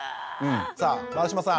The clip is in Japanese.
さあ丸島さん